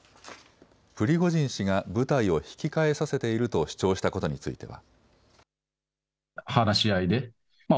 プリゴジン氏が部隊を引き返させていると主張したことについては。